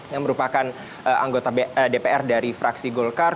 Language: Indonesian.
yang merupakan anggota dpr dari fraksi golkar